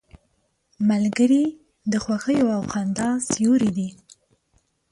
ملګری د خوښیو او خندا سیوری دی